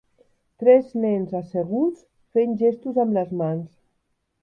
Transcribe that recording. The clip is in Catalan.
Tres nens asseguts fent gestos amb les mans.